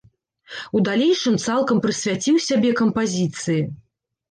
У далейшым цалкам прысвяціў сябе кампазіцыі.